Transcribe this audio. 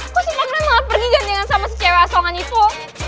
kok si makre malah pergi gantian sama si cewe asal sama nipo